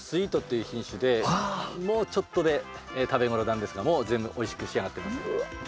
これはもうちょっとで食べ頃なんですがもう全部おいしく仕上がってます。